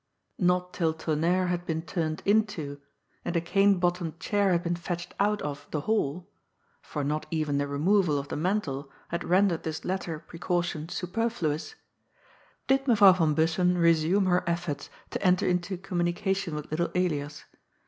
Not till Tonnerre had been turned into — ^and a cane bottomed chair had been fetched out of — the hall (for not even the removal of the mantle had rendered this latter pre caution superfluous) did Mevrouw van Bussen resume her efforts to enter into communication with little Elias.